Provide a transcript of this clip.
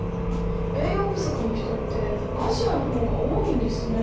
栄養不足の人ってアジアの方が多いんですね？